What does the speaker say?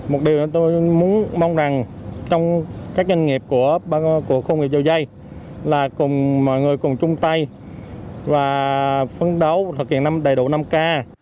một điều tôi mong rằng trong các doanh nghiệp của công nghiệp dầu dây là cùng mọi người cùng chung tay và phấn đấu thực hiện năm đầy đủ năm k